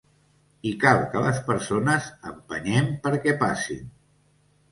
I cal que les persones empenyem perquè passin.